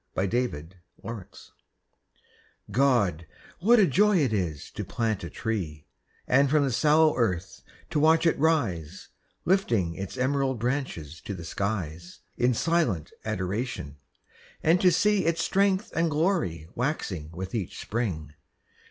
GO PLANT A TREE God, what a joy it is to plant a tree, And from the sallow earth to watch it rise, Lifting its emerald branches to the skies In silent adoration; and to see Its strength and glory waxing with each spring.